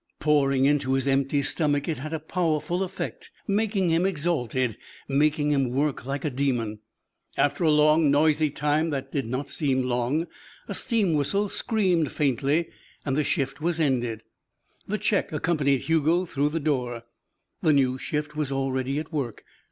Pouring into his empty stomach, it had a powerful effect, making him exalted, making him work like a demon. After a long, noisy time that did not seem long a steam whistle screamed faintly and the shift was ended. The Czech accompanied Hugo through the door. The new shift was already at work.